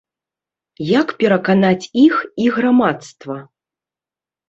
Як пераканаць іх і грамадства?